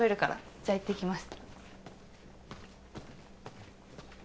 じゃあ行ってきます。